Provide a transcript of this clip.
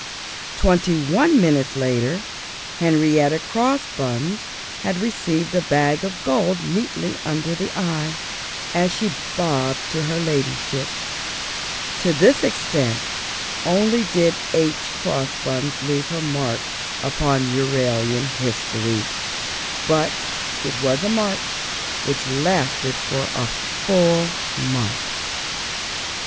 Twenty one minutes later Henrietta Crossbuns had received a bag of gold neatly under the eye, as she bobbed to her Ladyship. To this extent only did H. Crossbuns leave her mark upon Euralian history; but it was a mark which lasted for a full month.